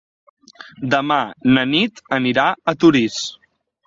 Demà na Nit anirà a Torís.